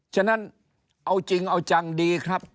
ฉะนั้นเอาจริงเอาจังดีครับ